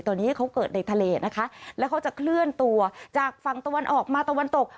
ตอนนี้เขาเกิดในทะเลนะคะแล้วเขาจะเคลื่อนตัวจากฝั่งตะวันออกมาตะวันตก